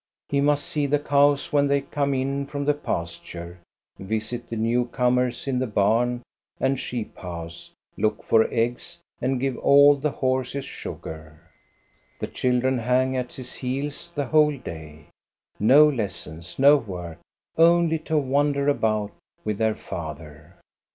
He must see the cows when they come in from the pasture, visit the new comers in the barn and sheep house, look for eggs, and give all the horses sugar. The children hang at his heels the whole day. No lessons, no work ; only to wander about with their father